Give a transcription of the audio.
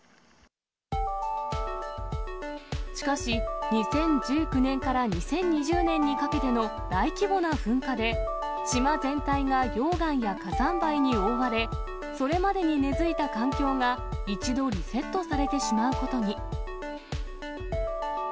しかし、２０１９年から２０２０年にかけての大規模な噴火で、島全体が溶岩や火山灰に覆われ、それまでに根づいた環境が一度リセットされてしまうことに。